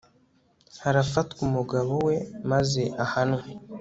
harafatwa umugabo we maze ahanwe